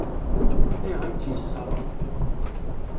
Ayɣer i tt-yeṣṣeṛ?